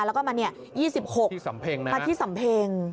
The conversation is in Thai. แล้วก็มานี่รถ๒๖พระพี่สัมเพ็ง